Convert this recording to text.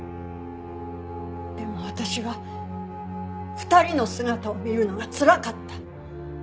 でも私は２人の姿を見るのがつらかった。